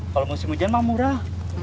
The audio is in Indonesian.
kalau musim hujan mah murah